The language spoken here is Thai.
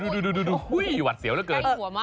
ดูหีหวัดเสียวเหลือเกิน